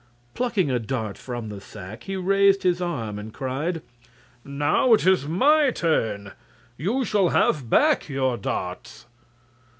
Plucking a dart from the sack he raised his arm and cried: "Now it is my turn. You shall have back your darts!"